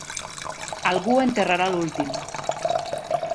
Algú enterrarà l'últim.